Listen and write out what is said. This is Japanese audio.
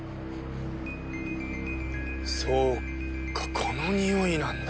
そっかこのにおいなんだ。